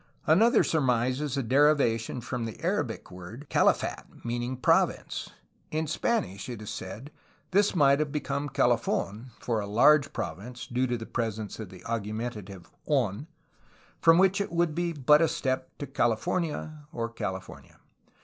Another surmises a derivation from the Arabic word "Kali fat," meaning "province." In Spanish, it is said, this might have become "Kalif6n" for a "large province" (due to the presence of the augmentative "6n"), from which it would be but a step to "Kalifornia," or "California."